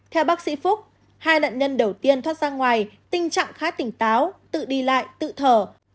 theo bác sĩ phúc hai nạn nhân đầu tiên thoát ra ngoài tình trạng khá tỉnh táo tự đi lại tự thở